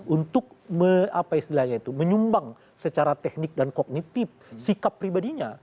untuk apa istilahnya itu menyumbang secara teknik dan kognitif sikap pribadinya